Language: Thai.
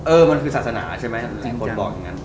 เออมันคือศาสนาใช่ไหมที่คนบอกอย่างนั้น